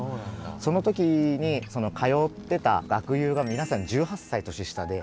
その時に通ってた学友が皆さん１８歳年下で。